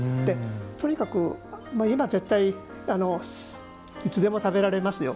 とにかく今いつでも食べられますよ。